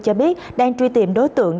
cho biết đang truy tìm đối tượng